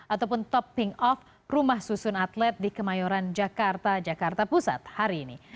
ataupun topping off rumah susun atlet di kemayoran jakarta jakarta pusat hari ini